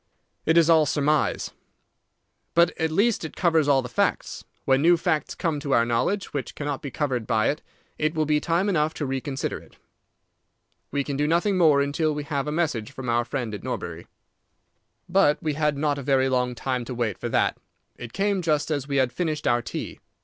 "It is all surmise." "But at least it covers all the facts. When new facts come to our knowledge which cannot be covered by it, it will be time enough to reconsider it. We can do nothing more until we have a message from our friend at Norbury." But we had not a very long time to wait for that. It came just as we had finished our tea.